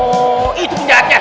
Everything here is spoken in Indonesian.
oh itu penjahatnya